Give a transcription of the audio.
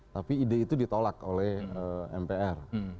tapi ide itu ditolak oleh mpr